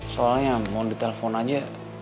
soalnya mau di telpon aja